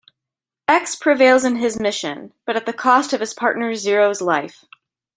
X prevails in his mission, but at the cost of his partner Zero's life.